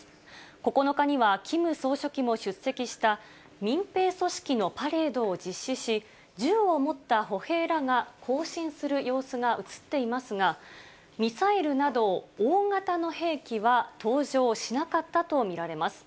９日には、キム総書記も出席した民兵組織のパレードを実施し、銃を持った歩兵らが行進する様子が写っていますが、ミサイルなど、大型の兵器は登場しなかったと見られます。